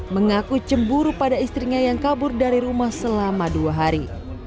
mengaku cemburu pada istrinya yang kabur dari rumah selama dua hari